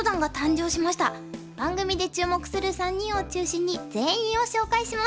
番組で注目する３人を中心に全員を紹介します。